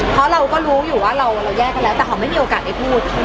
เพราะเราก็รู้อยู่ว่าเราแยกกันแล้วแต่เขาไม่มีโอกาสได้พูด